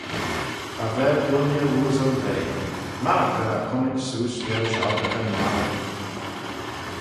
Cha vel dooinney ooasle veg, mannagh vel eh cummit seose liorish obraghyn mie.